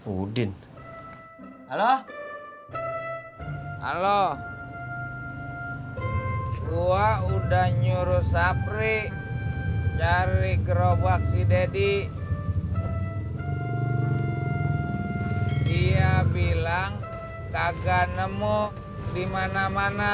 udin halo halo halo gua udah nyuruh sapri dari gerobak si deddy dia bilang kagak nemu dimana mana